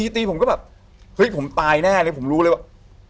ตีผมก็แบบเฮ้ยผมตายแน่เลยผมรู้เลยว่า